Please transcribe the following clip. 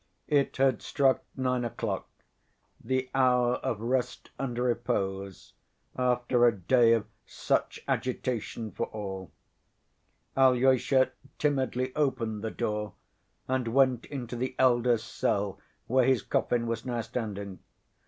It had struck nine o'clock—the hour of rest and repose after a day of such agitation for all. Alyosha timidly opened the door and went into the elder's cell where his coffin was now standing.